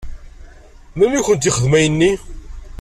Melmi i kent-yexdem ayenni?